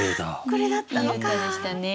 これだったのか。